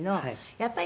やっぱり」